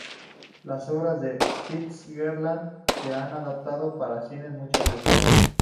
Las obras de Fitzgerald se han adaptado para cine muchas veces.